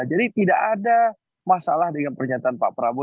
tidak ada masalah dengan pernyataan pak prabowo